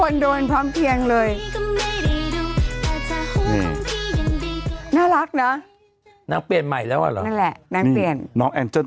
น่ารักนะนักเปลี่ยนใหม่แล้วนั่นแหละนักเปลี่ยนน้องแอ้งเจิ้ล